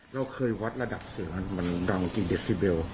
เราเคยวัดระดับเสียงมันดังกี่เดซิเบล